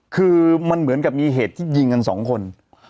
คือมันเหมือนกับมีเหตุที่ยิงกันสองคน